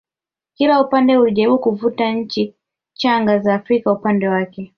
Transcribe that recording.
kila upande ulijaribu kuvuta nchi changa za Afrika upande wake